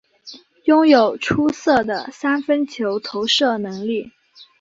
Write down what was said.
拥有出色的三分球投射能力。